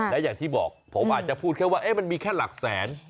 และอย่างที่บอกผมอาจจะพูดแค่ว่ามันมีแค่หลักแสน